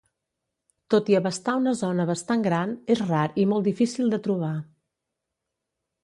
Tot i abastar una zona bastant gran, és rar i molt difícil de trobar.